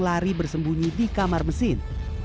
lari bersembunyi di kamar mesin